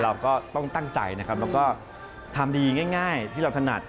เราก็ต้องตั้งใจนะครับแล้วก็ทำดีง่ายที่เราถนัด